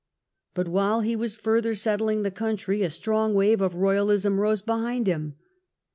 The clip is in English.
But while he was further settling the country, a strong wave of Royalism rose behind him.